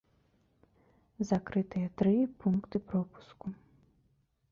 Закрытыя тры пункты пропуску.